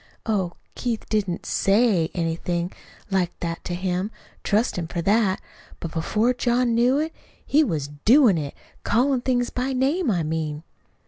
Oh, Keith didn't SAY anything like that to him trust him for that. But before John knew it, he was DOIN' it callin' things by name, I mean.